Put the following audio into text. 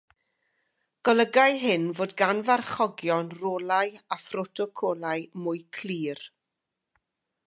Golygai hyn fod gan farchogion rolau a phrotocolau mwy clir.